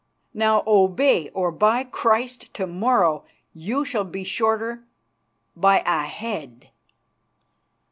Now obey, or, by Christ! to morrow you shall be shorter by a head."